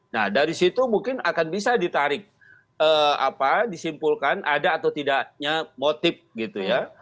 nah dari situ mungkin akan bisa ditarik disimpulkan ada atau tidaknya motif gitu ya